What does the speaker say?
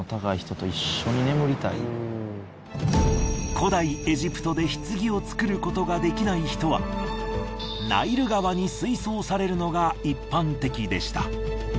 古代エジプトで棺を造ることができない人はナイル川に水葬されるのが一般的でした。